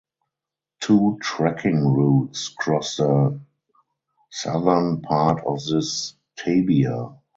Two trekking routes cross the southern part of this "tabia".